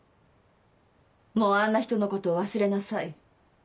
もうあんな人のこと忘れなさい。